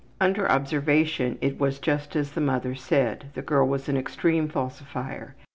Under observation it was just as the mother said. The girl was an extreme falsifier.